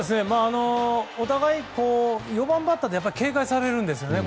お互い４番バッターって警戒されるんですね。